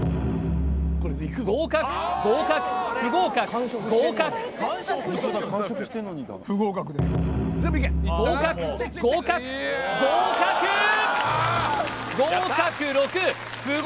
合格合格不合格合格合格合格合格！